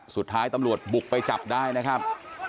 สุดท้ายตำรวจบุกไปจับได้นะครับ